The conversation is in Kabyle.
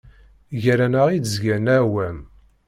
Ger-aneɣ i d-zgan leɛwam.